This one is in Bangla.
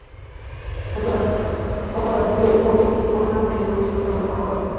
সুতরাং অপরাধীদের পরিণাম কি হয়েছিল তা লক্ষ্য কর!